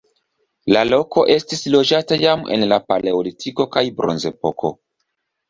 La loko estis loĝata jam en la paleolitiko kaj bronzepoko.